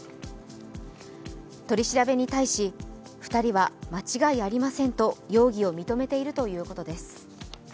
取り調べに対し２人は、間違いありませんと容疑を認めているということです。